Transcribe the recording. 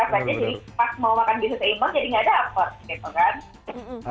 artinya jadi pas mau makan bisnis seimbang jadi nggak ada hampir gitu kan